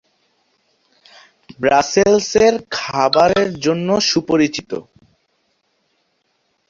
Brussels এর খাবারের জন্য সুপরিচিত।